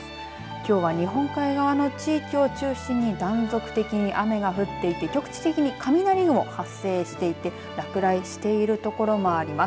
きょうは日本海側の地域を中心に断続的に雨が降っていて局地的に雷雲、発生していて落雷している所もあります。